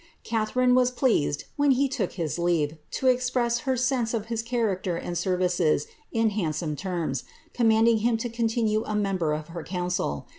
Catharine was pleased, when he took his leave, to express her sense of his character and services in handsome terms, commanding him to continue a member of her council.